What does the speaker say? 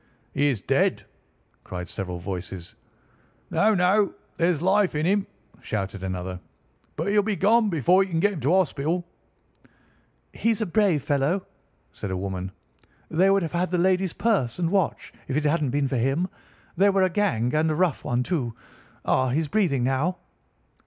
"He is dead," cried several voices. "No, no, there's life in him!" shouted another. "But he'll be gone before you can get him to hospital." "He's a brave fellow," said a woman. "They would have had the lady's purse and watch if it hadn't been for him. They were a gang, and a rough one, too. Ah, he's breathing now."